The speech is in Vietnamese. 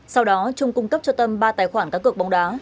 sau đó trung cung cấp cho tâm ba tài khoản các cực bóng đá